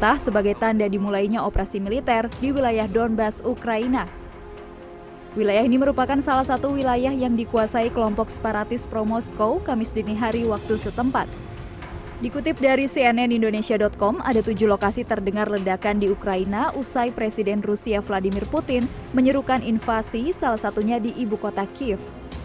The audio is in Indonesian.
sembilan tahun telah menyebabkan pembalasan dan kematian dari perang yang terjadi di kiev